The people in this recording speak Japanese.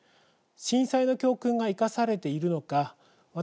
震災の教訓が生かされているのか